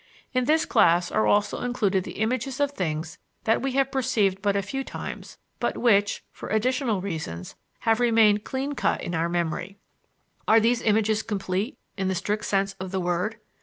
In this class are also included the images of things that we have perceived but a few times, but which, for additional reasons, have remained clean cut in our memory. Are these images complete, in the strict sense of the word?